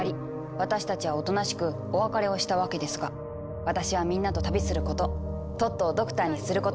「私たちはおとなしくお別れをしたわけですが私はみんなと旅することトットをドクターにすること」。